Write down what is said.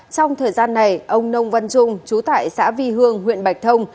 trong thời gian này ông nông văn trung chú tại xã vi hương huyện bạch thông